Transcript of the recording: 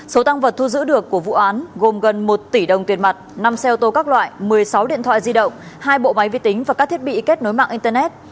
số tăng vật thu giữ được của vụ án gồm gần một tỷ đồng tiền mặt năm xe ô tô các loại một mươi sáu điện thoại di động hai bộ máy vi tính và các thiết bị kết nối mạng internet